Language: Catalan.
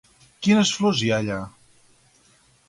Quines flors hi ha allà?